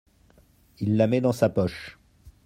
Il la met dans sa poche.